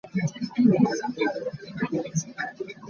He spoke with pride of civilisation and democracy.